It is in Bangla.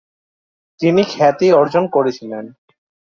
তিনি খ্যাতি অর্জন করেছিলেন।